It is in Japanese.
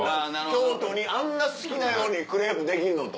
京都にあんな好きなようにクレープできんのと。